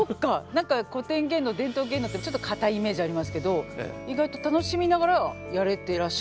何か古典芸能伝統芸能ってちょっと堅いイメージありますけど意外と楽しみながらやれてらっしゃるっていうこと。